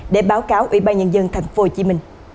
để báo cáo ủy ban nhân dân tp hcm